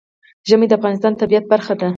ژمی د افغانستان د طبیعت برخه ده.